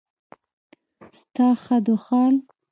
ستا خدوخال